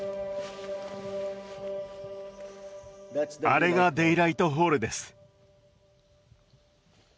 あれがデイライトホールです